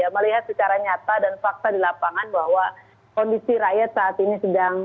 melihat secara nyata dan fakta di lapangan bahwa kondisi rakyat saat ini sedang